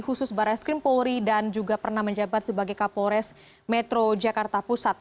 khusus barreskrim polri dan juga pernah menjabat sebagai kapolres metro jakarta pusat